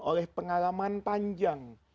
oleh pengalaman panjang